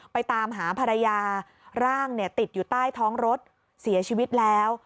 ตามหาภรรยาร่างเนี่ยติดอยู่ใต้ท้องรถเสียชีวิตแล้ว